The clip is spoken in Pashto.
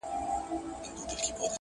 زموږ پر کور باندي چي غم دی خو له ده دی؛